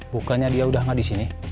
bukannya dia udah nggak disini